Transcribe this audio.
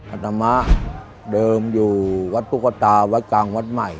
อัตมะเดิมอยู่วัดตุ๊กตาวัดกลางวัดใหม่